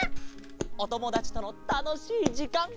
おともだちとのたのしいじかん。